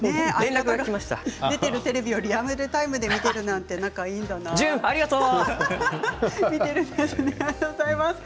出ているテレビをリアルタイムで見てるなんて淳、ありがとう。